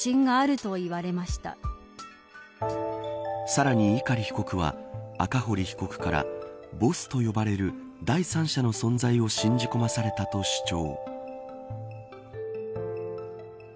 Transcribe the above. さらに、碇被告は赤堀被告からボスと呼ばれる第三者の存在を信じ込まされたと主張。